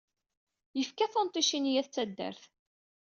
Yefka tunṭicin i At taddart.